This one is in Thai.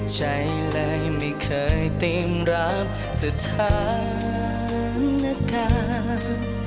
ใจเลยไม่เคยติ้มรับสถานการณ์